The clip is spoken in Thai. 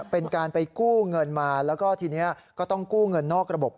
เป็นการไปกู้เงินมาแล้วก็ทีนี้ก็ต้องกู้เงินนอกระบบ